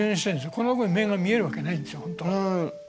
この部分に目が見えるわけないんですよ本当は。